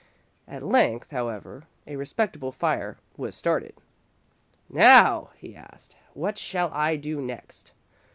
At length, however, a respectable fire was started. "Now," he asked, "what shall I do next?"